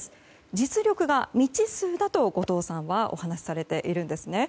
実力が未知数だと後藤さんはお話しされているんですね。